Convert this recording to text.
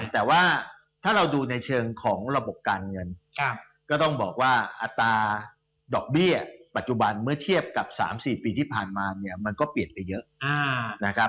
แต่ว่าถ้าเราดูในเชิงของระบบการเงินก็ต้องบอกว่าอัตราดอกเบี้ยปัจจุบันเมื่อเทียบกับ๓๔ปีที่ผ่านมาเนี่ยมันก็เปลี่ยนไปเยอะนะครับ